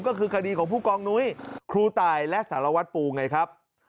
ก็คือคดีของผู้กองนุ้ยครูตายและสารวัตรปูไงครับ